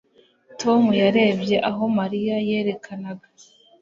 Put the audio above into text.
Tom yarebye aho Mariya yerekanaga